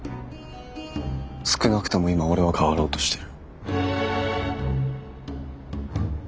少なくとも今俺は変わろうとしてる。